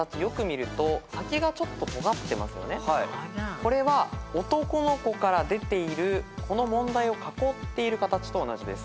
これは男の子から出ているこの問題を囲っている形と同じです。